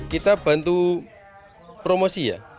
kita bantu promosi ya